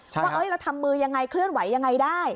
ว่าเราทำมือยังไงเคลื่อนไหวยังไงได้